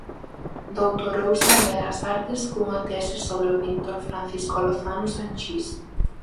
Doutorouse en Belas Artes cunha tese sobre o pintor Francisco Lozano Sanchís.